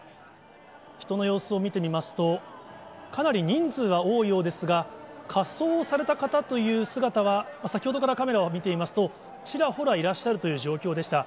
人の様子を見てみますと、かなり人数は多いようですが、仮装された方という姿は先ほどからカメラを見ていますと、ちらほらいらっしゃるという状況でした。